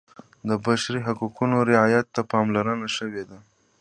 د بشري حقونو رعایت ته پاملرنه شوې ده.